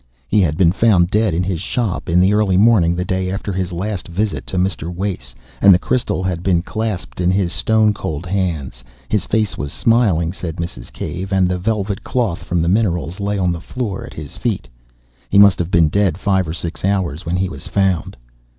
He had been found dead in his shop in the early morning, the day after his last visit to Mr. Wace, and the crystal had been clasped in his stone cold hands. His face was smiling, said Mrs. Cave, and the velvet cloth from the minerals lay on the floor at his feet. He must have been dead five or six hours when he was found.